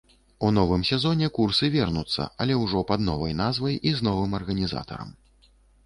У новым сезоне курсы вернуцца, але ўжо пад новай назвай і з новым арганізатарам.